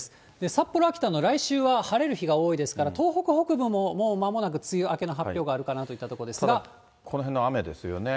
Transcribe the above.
札幌、秋田も来週は晴れる日が多いですから、東北北部ももうまもなく梅雨明けの発表があるかなといったところこのへんの雨ですよね。